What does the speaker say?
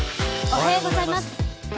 おはようございます。